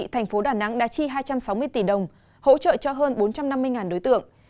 thành phố đà nẵng đã chi hai trăm sáu mươi tỷ đồng hỗ trợ cho hơn bốn trăm năm mươi đối tượng